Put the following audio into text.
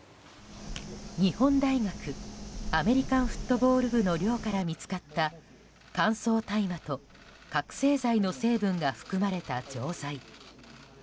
日本大学アメリカンフットボール部の寮から見つかった乾燥大麻と覚醒剤の成分が含まれた錠剤。